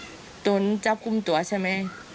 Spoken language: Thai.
พูดใหญ่บ้านเคยขู่ถึงขั้นจะฆ่าให้ตายด้วยค่ะ